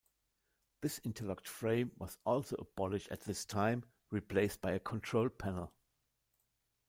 The interlocked frame was also abolished at this time, replaced by a control panel.